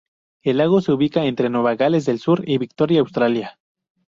El lago se ubica entre Nueva Gales del Sur y Victoria, Australia.